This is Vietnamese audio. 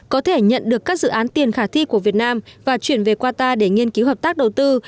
có thể nhận được các dự án tiền khả thi của việt nam và chuyển về qatar để nghiên cứu hợp tác đầu tư